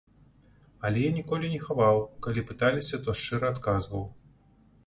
Але я ніколі не хаваў, калі пыталіся, то шчыра адказваў.